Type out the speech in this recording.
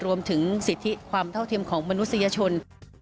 รวมถึงสิทธิความเท่าเทียมของมนุษยชน